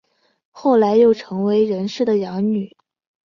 后来又成为任氏的养女。